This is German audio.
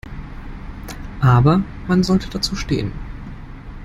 Aber man sollte dazu stehen.